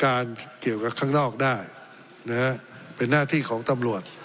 เกี่ยวกับข้างนอกได้นะฮะเป็นหน้าที่ของตำรวจ